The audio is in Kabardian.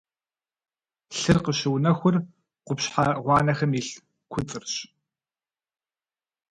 Лъыр къыщыунэхур къупщхьэ гъуанэхэм илъ куцӏырщ.